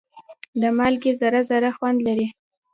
د مالګې ذره ذره خوند لري.